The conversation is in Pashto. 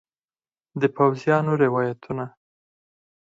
د پوځیانو روایتونه